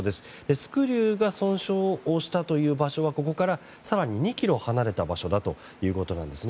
スクリューが損傷したという場所はここから更に２ｋｍ離れた場所だということです。